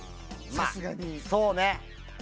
さすがにそうね。